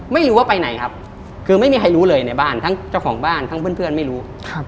ไม่รู้ว่าไปไหนครับคือไม่มีใครรู้เลยในบ้านทั้งเจ้าของบ้านทั้งเพื่อนไม่รู้